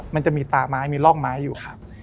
มันจะมีตาไม้มีร่องไม้อยู่ครับ